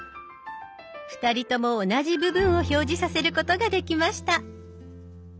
２人とも同じ部分を表示させることができました。